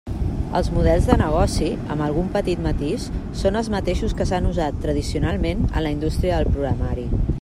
Els models de negoci, amb algun petit matís, són els mateixos que s'han usat tradicionalment en la indústria del programari.